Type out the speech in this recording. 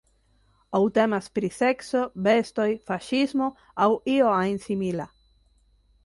Aŭ temas pri sekso, bestoj, faŝismo aŭ io ajn simila.